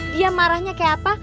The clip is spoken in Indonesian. dia marahnya kayak apa